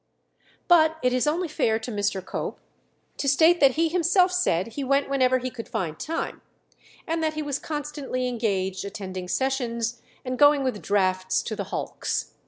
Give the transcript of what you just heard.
But it is only fair to Mr. Cope to state that he himself said he went whenever he could find time, and that he was constantly engaged attending sessions and going with drafts to the hulks.